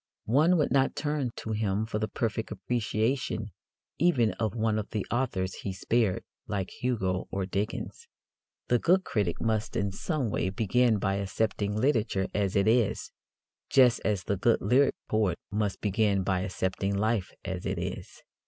One would not turn to him for the perfect appreciation even of one of the authors he spared, like Hugo or Dickens. The good critic must in some way begin by accepting literature as it is, just as the good lyric poet must begin by accepting life as it is.